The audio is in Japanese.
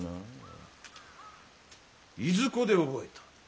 いずこで覚えた？